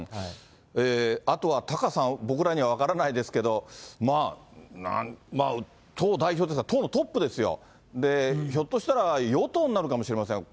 あとはタカさん、僕らには分からないですけど、党代表ですから、党のトップですよ、ひょっとしたら与党になるかもしれません。